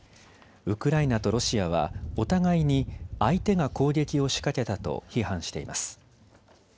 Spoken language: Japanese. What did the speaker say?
ウクライナとロシアはお互いに相手が攻撃を仕掛けたと批判しています。